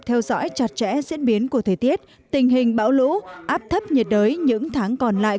theo dõi chặt chẽ diễn biến của thời tiết tình hình bão lũ áp thấp nhiệt đới những tháng còn lại